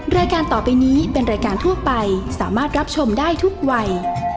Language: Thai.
รายการต่อไปนี้เป็นรายการทั่วไปสามารถรับชมได้ทุกวัย